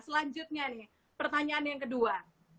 selanjutnya nih pertanyaan yang kedua